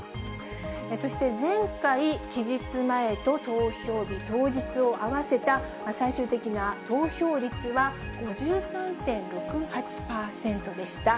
そして前回、期日前と投票日当日を合わせた最終的な投票率は５３．６８％でした。